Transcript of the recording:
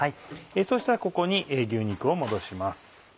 そしたらここに牛肉を戻します。